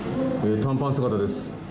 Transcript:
短パン姿です。